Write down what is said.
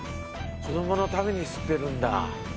子どものために吸ってるんだ。